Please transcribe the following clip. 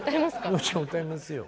洋ちゃん歌いますよ。